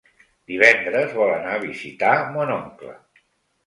Divendres vol anar a visitar mon oncle.